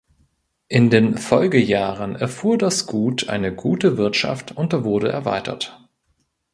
In den Folgejahren erfuhr das Gut eine gute Wirtschaft und wurde erweitert.